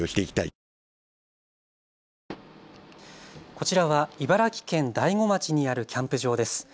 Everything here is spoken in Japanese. こちらは茨城県大子町にあるキャンプ場です。